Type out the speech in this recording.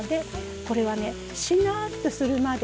これはねしなっとするまで。